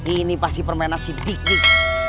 ini pasti permainan si didik